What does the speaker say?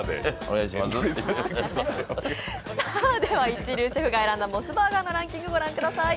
一流シェフが選んだモスバーガーのランキング御覧ください。